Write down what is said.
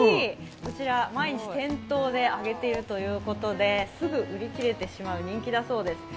こちら毎日店頭で揚げているということで、すぐ売り切れてしまう人気だそうです。